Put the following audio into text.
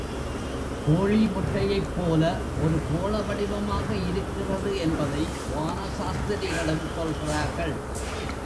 கோழி முட்டையைப் போல ஒரு கோளவடிவமாக இருக்கிறது என்பதை வான சாஸ்திரிகளும் சொல்கிறார்கள்.